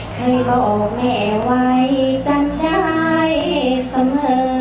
เคยบอกแม่ไว้จำได้เสมอ